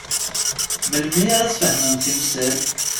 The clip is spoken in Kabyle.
Melmi ara tfehmem timsal?